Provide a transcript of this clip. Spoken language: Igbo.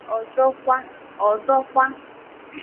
Ọzọkwa